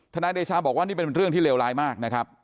นายเดชาบอกว่านี่เป็นเรื่องที่เลวร้ายมากนะครับ